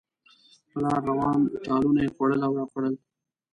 په لاره روان، ټالونه یې خوړل راخوړل.